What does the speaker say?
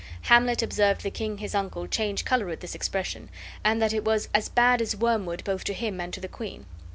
Hamlet observed the king his uncle change color at this expression, and that it was as bad as wormwood both to him and to the queen.